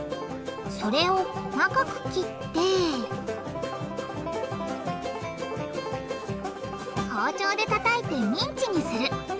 それを細かく切って包丁でたたいてミンチにする。